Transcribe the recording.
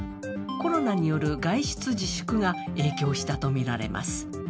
コロナによる外出自粛が影響したとみられます。